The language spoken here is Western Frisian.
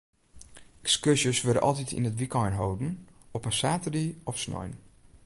Ekskurzjes wurde altyd yn it wykein holden, op in saterdei of snein.